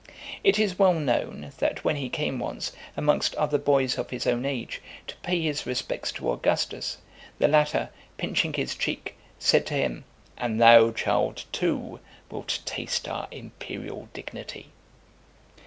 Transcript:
It is well known, that when he came once, amongst other boys of his own age, to pay his respects to Augustus, the latter, pinching his cheek, said to him, "And thou, child, too, wilt taste our imperial dignity."